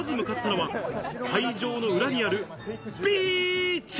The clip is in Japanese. まず向かったのは会場の裏にあるビーチ！